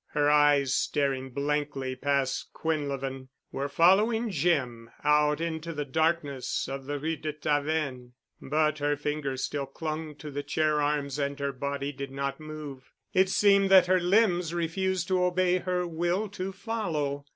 Her eyes, staring blankly past Quinlevin, were following Jim out into the darkness of the Rue de Tavennes, but her fingers still clung to the chair arms and her body did not move. It seemed that her limbs refused to obey her will to follow.